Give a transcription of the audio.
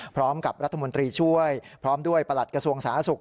พร้อมกับรัฐมนตรีช่วยพร้อมด้วยประหลัดกระทรวงสาธารณสุข